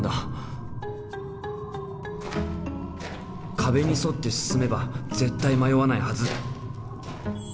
壁に沿って進めば絶対迷わないはず！